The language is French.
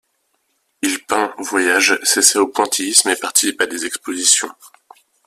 Il peint, voyage, s'essaie au pointillisme et participe à des expositions.